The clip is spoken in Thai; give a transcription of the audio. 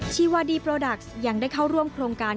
ชีวาดีโปรดักซ์ยังได้เข้าร่วมโครงการ